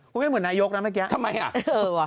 กูไม่เหมือนนายยกนะเมื่อกี้ทำไมอ่ะทำไมอ่ะ